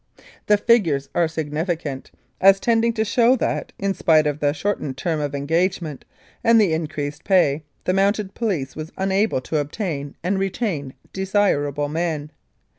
The figures are significant, as tending to show that, in spite of the shortened term of engagement and the increased pay, the Mounted Police was unable to obtain and retain desirable men.